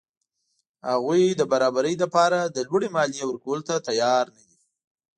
هغوی د برابرۍ له پاره د لوړې مالیې ورکولو ته تیار نه دي.